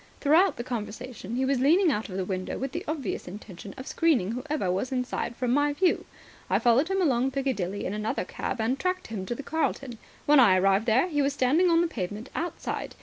Throughout the conversation he was leaning out of the window with the obvious intention of screening whoever was inside from my view. I followed him along Piccadilly in another cab, and tracked him to the Carlton. When I arrived there he was standing on the pavement outside.